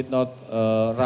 dalam manual mereka